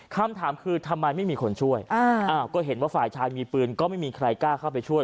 คำถามคือทำไมไม่มีคนช่วยก็เห็นว่าฝ่ายชายมีปืนก็ไม่มีใครกล้าเข้าไปช่วย